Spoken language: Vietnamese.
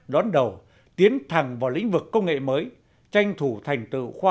đón đầu tiến thẳng vào lĩnh vực công nghệ mới